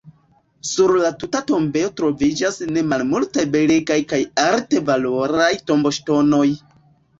Sur la tuta tombejo troviĝas ne malmultaj belegaj kaj arte valoraj tomboŝtonoj.